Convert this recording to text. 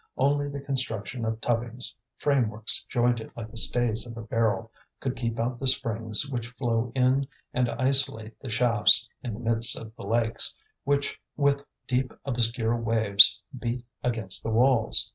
Only the construction of tubbings, frameworks jointed like the stays of a barrel, could keep out the springs which flow in and isolate the shafts in the midst of the lakes, which with deep obscure waves beat against the walls.